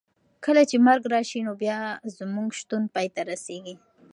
کله چې مرګ راشي نو بیا زموږ شتون پای ته رسېږي.